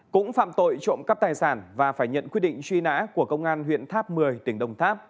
cũng phạm tội trộm cắp tài sản và phải nhận quyết định truy nã của công an huyện tháp một mươi tỉnh đồng tháp